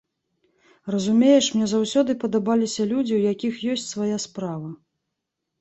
Разумееш, мне заўсёды падабаліся людзі, у якіх ёсць свая справа.